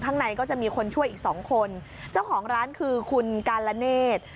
ข้างในก็จะมีคนช่วยอีกสองคนเจ้าของร้านคือคุณกาลเนธ